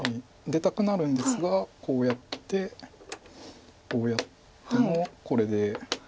出たくなるんですがこうやってこうやってもこれで。